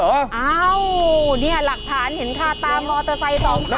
อ้าวเนี่ยหลักฐานเห็นค่ะตามอตเตอร์ไซค์สองพันอย่าง